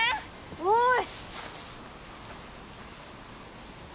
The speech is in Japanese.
おい。